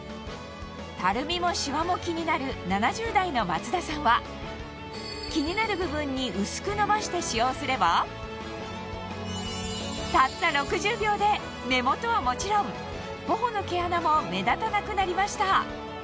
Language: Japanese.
たるみもしわも気になる気になる部分に薄くのばして使用すればたった６０秒で目元はもちろん頬の毛穴も目立たなくなりました